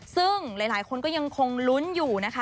ซึ่งหลายคนก็ยังคงลุ้นอยู่นะคะ